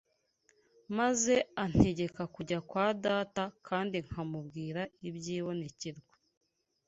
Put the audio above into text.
maze antegeka kujya kwa data kandi nkamubwira iby’ibonekerwa